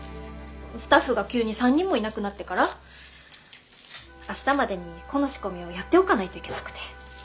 スタッフが急に３人もいなくなってから明日までにこの仕込みをやっておかないといけなくて。